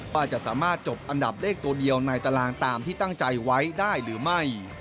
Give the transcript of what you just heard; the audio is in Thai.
ว่าจะสามารถจบอันดับเลขตัวเดียวในตารางตามที่ตั้งใจไว้ได้หรือไม่